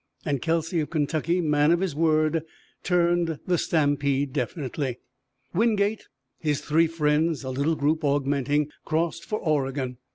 And Kelsey of Kentucky, man of his word, turned the stampede definitely. Wingate, his three friends; a little group, augmenting, crossed for Oregon.